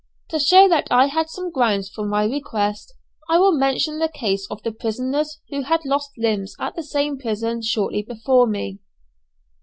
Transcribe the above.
To show that I had some grounds for my request, I will mention the cases of the prisoners who had lost limbs at the same prison shortly before me.